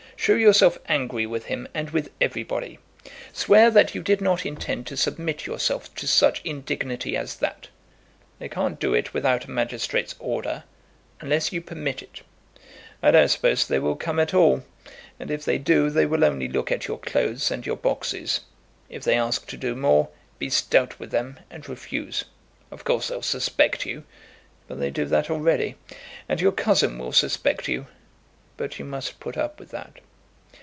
Show yourself angry with him and with everybody. Swear that you did not intend to submit yourself to such indignity as that. They can't do it without a magistrate's order, unless you permit it. I don't suppose they will come at all; and if they do they will only look at your clothes and your boxes. If they ask to do more, be stout with them and refuse. Of course they'll suspect you, but they do that already. And your cousin will suspect you; but you must put up with that.